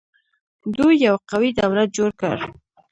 دوی یو قوي دولت جوړ کړ